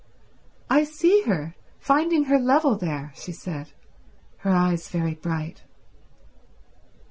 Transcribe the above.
"I see her finding her level there," she said, her eyes very bright.